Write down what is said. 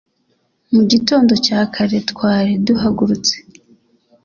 Mu gitondo cya kare twari duhagurutse